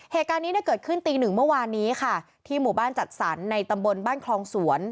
เหตุการณ์นี้เนี่ยเกิดขึ้นตีหนึ่งเมื่อวานนี้ค่ะที่หมู่บ้านจัดสรรในตำบลบ้านคลองสวน